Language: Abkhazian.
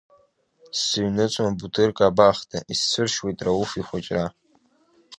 Сзыҩныҵуам Бутырка абахҭа, исцәыршьуеит Рауф ихәыҷра.